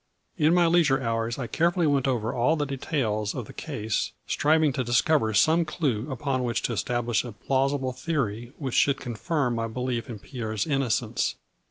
In my leisure hours I carefully went over all the details of the case, striving to discover some clue upon which to establish a plausible theory which should confirm my belief in Pierre's in nocence.